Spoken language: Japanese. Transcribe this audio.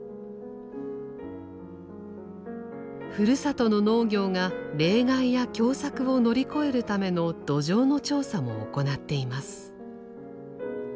ふるさとの農業が冷害や凶作を乗り越えるための土壌の調査も行っています。